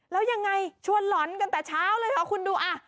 แล้วยังไงชวนหล่อนกันแต่เช้าเลยค่ะคุณดูอ่ะ